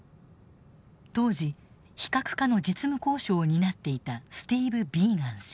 当時非核化の実務交渉を担っていたスティーブ・ビーガン氏。